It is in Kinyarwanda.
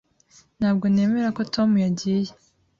Ntabwo nemera ko Tom yagiye.